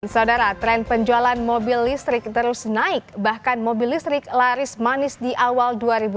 saudara tren penjualan mobil listrik terus naik bahkan mobil listrik laris manis di awal dua ribu dua puluh